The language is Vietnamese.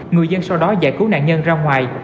người dân sau đó giải cứu nạn nhân ra ngoài